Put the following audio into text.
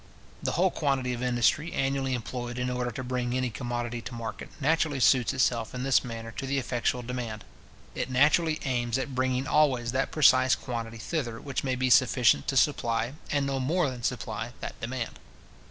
The whole quantity of industry annually employed in order to bring any commodity to market, naturally suits itself in this manner to the effectual demand. It naturally aims at bringing always that precise quantity thither which may be sufficient to supply, and no more than supply, that demand.